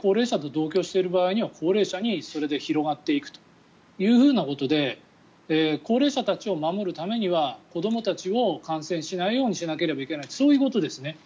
高齢者と同居している場合には高齢者にそれで広がっていくということで高齢者たちを守るためには子どもたちを感染しないようにしなければいけないとそういうことですね。